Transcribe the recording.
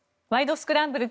スクランブル」